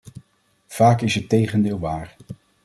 Vaak is het tegendeel waar.